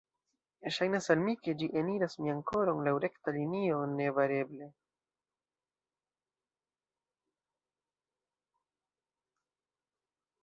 Ŝajnas al mi ke ĝi eniras mian koron laŭ rekta linio, nebareble.